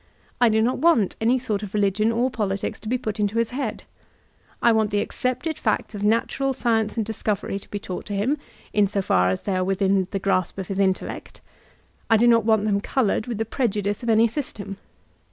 I do not want any sort of religion or politics to be put into his head. I want the accepted facts of natural science and discovery to be taught him, in so far as they are within the grasp of his intellect I do not want them colored with the prejudice of any system.